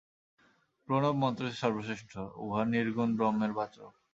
প্রণব-মন্ত্রই সর্বশ্রেষ্ঠ, উহা নির্গুণ ব্রহ্মের বাচক।